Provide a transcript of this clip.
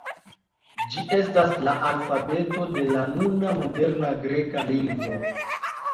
Ĝi estas la alfabeto de la nuna moderna greka lingvo.